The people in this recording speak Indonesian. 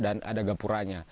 dan ada gapuranya